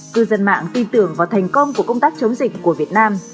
cư dân mạng tin tưởng vào thành công của công tác chống dịch của việt nam